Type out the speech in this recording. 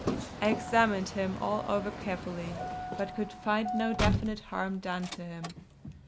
I examined him all over carefully, but could find no definite harm done to him.